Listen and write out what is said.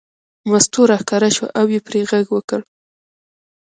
مستو راښکاره شوه او یې پرې غږ وکړ.